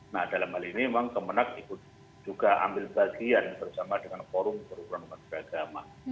nah dalam hal ini memang kemenag ikut juga ambil bagian bersama dengan forum kerubunan masjid agama